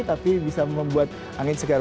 tapi bisa membuat angin segar buat amerika serikat